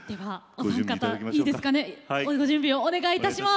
ご準備をお願いいたします。